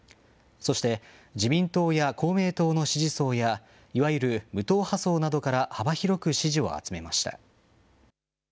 そして自民党や公明党の支持層や、いわゆる無党派層などから幅広く支持を集めました。